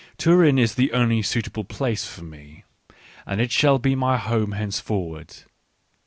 Turin is the only suitable place for me, and it shall be my home henceforward.